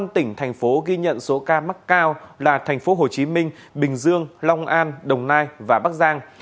năm tỉnh thành phố ghi nhận số ca mắc cao là thành phố hồ chí minh bình dương long an đồng nai và bắc giang